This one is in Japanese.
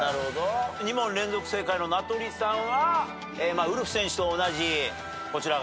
２問連続正解の名取さんはウルフ選手と同じこちら側だと。